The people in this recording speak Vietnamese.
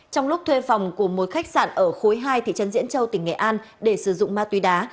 trong lúc thuê phòng của một khách sạn ở khối hai thị trấn diễn châu tỉnh nghệ an để sử dụng ma túy đá